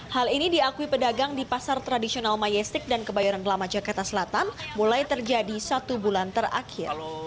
hal ini diakui pedagang di pasar tradisional majestik dan kebayoran lama jakarta selatan mulai terjadi satu bulan terakhir